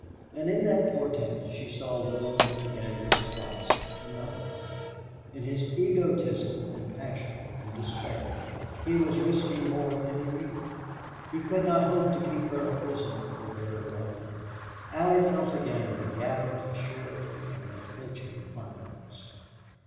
And in that portent she saw loom on the gambler's horizon another cloud. In his egotism and passion and despair he was risking more than he knew. He could not hope to keep her a prisoner for very long. Allie felt again the gathering surety of an approaching climax.